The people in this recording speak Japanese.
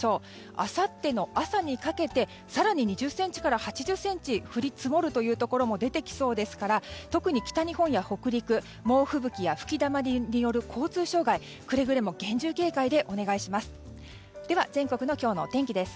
あさっての朝にかけて更に２０ｃｍから８０ｃｍ降り積もるというところも出てきそうですから特に北日本や北陸は猛吹雪や吹きだまりによる交通障害に厳重警戒でお願いします。